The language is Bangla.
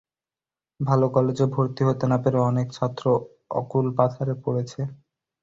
ভালাে কলেজে ভর্তি হতে না পেরে অনেক ছাত্র অকূল পাথারে পড়েছে।